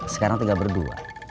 sekarang tiga berdua